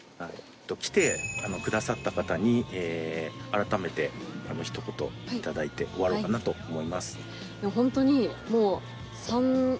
来てくださった方に改めてひと言いただいて終わろうかなと思います。